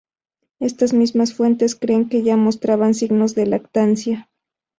Estas mismas fuentes creen que ya mostraban signos de lactancia.